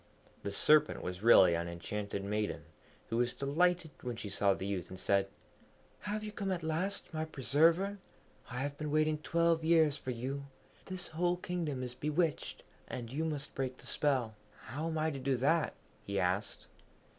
The Serpent was really an enchanted maiden, who was delighted when she saw the youth, and said, 'Have you come at last, my preserver? I have been waiting twelve years for you. This whole kingdom is bewitched, and you must break the spell.' 'How am I to do that?' he asked.